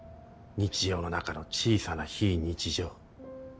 日常のなかの小さな非日常。